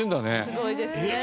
すごいですね。